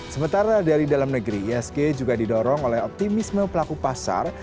sementara dari dalam negeri isg juga didorong oleh optimisme pelaku pasar